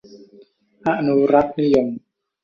อนุรักษนิยม